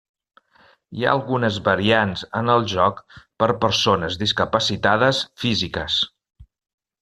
Hi ha algunes variants en el joc per persones discapacitades físiques.